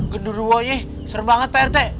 gendero nyih seru banget peh rute